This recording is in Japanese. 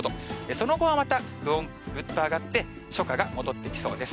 その後はまたぐっと上がって、初夏が戻ってきそうです。